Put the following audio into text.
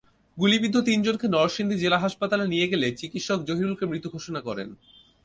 গুলিবিদ্ধ তিনজনকে নরসিংদী জেলা হাসপাতালে নিয়ে গেলে চিকিৎসক জহিরুলকে মৃত ঘোষণা করেন।